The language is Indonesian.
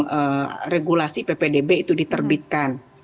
sejak sebelum regulasi ppdb itu diterbitkan